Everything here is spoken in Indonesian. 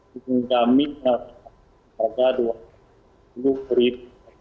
sehingga minyak harga rp dua puluh